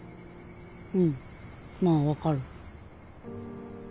うんまあ分かる。